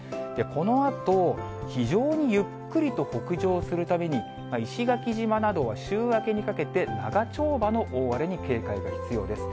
このあと、非常にゆっくりと北上するために、石垣島などは週明けにかけて、長丁場の大荒れに警戒が必要です。